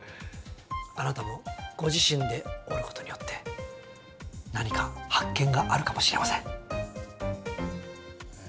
あなたもご自身で折ることによって何か発見があるかもしれません。